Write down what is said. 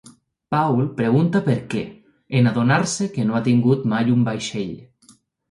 Paul pregunta per què, en adonar-se que no han tingut mai un vaixell.